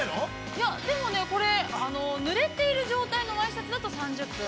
◆いや、でもね、これ、ぬれている状態のワイシャツだと３０分。